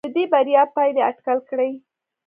د دې بریا پایلې اټکل کړي.